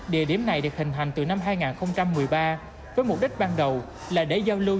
địa điểm này được hình hành từ năm hai nghìn một mươi ba với mục đích ban đầu là để giao lưu